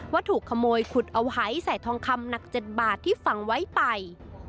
ว่าถูกขโมยขุดเอาหายใส่ทองคำหนัก๗บาทที่ฝังไว้ไป